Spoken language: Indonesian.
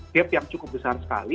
gap yang cukup besar sekali